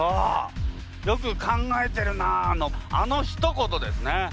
よく考えてるなのあのひと言ですね。